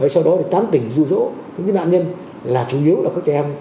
sau đó tám tỉnh dụ dỗ những nạn nhân là chủ yếu là các trẻ em